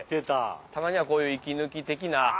・たまにはこういう息抜き的な。